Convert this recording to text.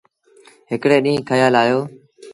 هڪڙي ڏيٚݩهݩ کيآل آيو۔